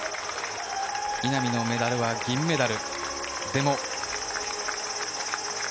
稲見のメダルは銀メダル。